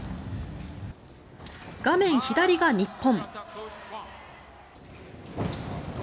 画面左が日本。